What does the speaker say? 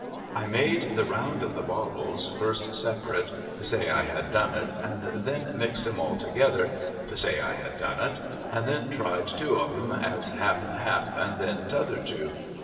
I made the round of the l)ottles, first separate (to say I had done it), and then mixed 'em all together (to say I had done it), and then tried two of 'em as half and half, and then t'other two.